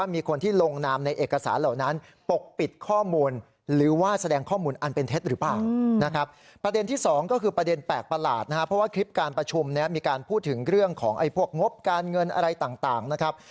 มีการพูดถึงเรื่องของพวกงบการเงินอะไรต่างนะครับ